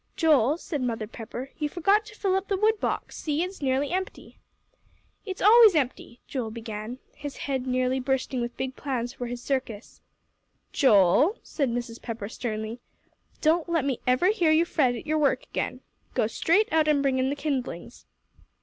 "Joel," said Mother Pepper, "you forgot to fill up the wood box; see, it's nearly empty." "It's always empty," Joel began, his head nearly bursting with big plans for his circus. "Joel," said Mrs. Pepper, sternly, "don't let me ever hear you fret at your work again. Go straight out and bring in the kindlings."